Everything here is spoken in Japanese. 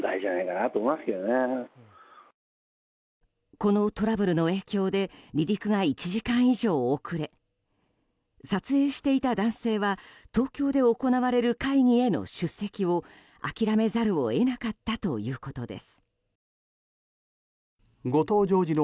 このトラブルの影響で離陸が１時間以上遅れ撮影していた男性は東京で行われる会議への出席を諦めざるを得なかったということです。